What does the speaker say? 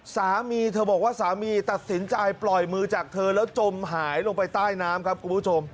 สามีเธอบอกว่าสามีตัดสินใจปล่อยมือจากเธอแล้วจมหายลงไปใต้น้ำครับคุณผู้ชม